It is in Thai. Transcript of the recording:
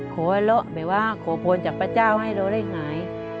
โขละละแบบว่าโขลพลจับพระเจ้าให้โรงได้ไง